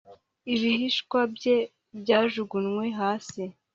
Ibishishwa bye byajugunywe hasi